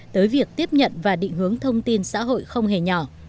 tới việc tiếp nhận và định hướng thông tin xã hội không hề nhỏ